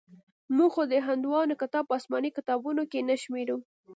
موږ خو د هندوانو کتاب په اسماني کتابونو کښې نه شمېرو.